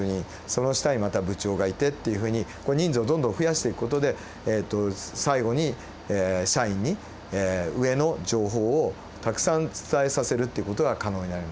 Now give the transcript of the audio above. その下にまた部長がいてっていうふうに人数をどんどん増やしていく事で最後に社員に上の情報をたくさん伝えさせるっていう事が可能になります。